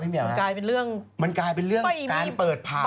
มันกลายเป็นเรื่องมันกลายเป็นเรื่องการเปิดผ่า